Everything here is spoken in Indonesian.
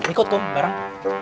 ikut kum bareng